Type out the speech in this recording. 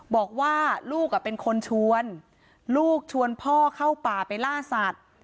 บอกว่าลูกเป็นคนชวนลูกชวนพ่อเข้าป่าไปล่าสัตว์